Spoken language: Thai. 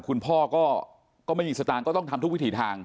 คุณพ่อก็ไม่มีสตางค์ก็ต้องทำทุกวิถีทาง